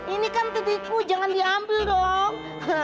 ini kan tipiku jangan diambil dong